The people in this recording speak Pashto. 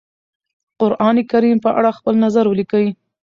قرآنکريم په اړه خپل نظر وليکی؟